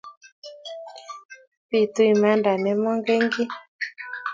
Pitu imanda me maken kiy